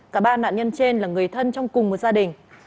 cả ba nạn nhân trên là người thân trong cùng một gia đình